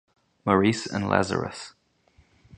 Maurice and Lazarus.